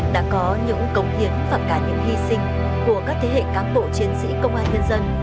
đã có những cống hiến và cả những hy sinh của các thế hệ cán bộ chiến sĩ công an nhân dân